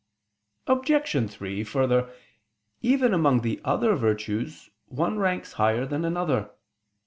Obj. 3: Further, even among the other virtues one ranks higher than another.